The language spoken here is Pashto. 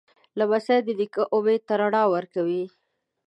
لمسی د نیکه امید ته رڼا ورکوي.